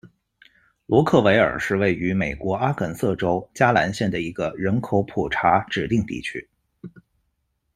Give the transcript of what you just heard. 罗克韦尔是位于美国阿肯色州加兰县的一个人口普查指定地区。